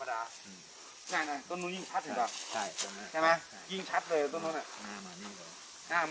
เราคิดอะไรงั้นได้เปลี่ยนความเป็นจริง